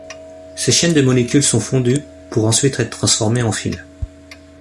Ces chaînes de molécules sont fondues, pour ensuite être transformées en fils.